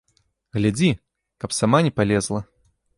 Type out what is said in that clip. Глядзі, каб сама не палезла!